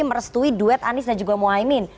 merestui duet anies dan juga mohaimin